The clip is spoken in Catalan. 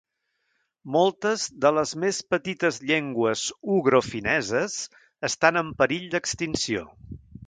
Moltes de les més petites llengües ugrofineses estan en perill d'extinció.